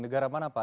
negara mana pak